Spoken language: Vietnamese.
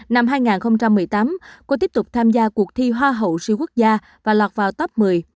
năm hai nghìn một mươi tám cô tiếp tục tham gia cuộc thi hoa hậu siêu quốc gia và lọt vào top một mươi